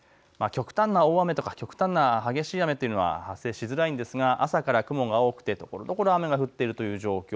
極端な雨とか極端な激しい雨は発生しづらい状況ですが朝から雲が多くてところどころ降っているという状況。